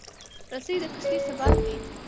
رسۍ د کښتۍ ثبات دی.